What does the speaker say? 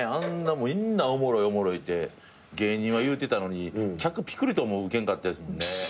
みんなおもろいおもろいって芸人は言うてたのに客ピクリともウケんかったんですもんね。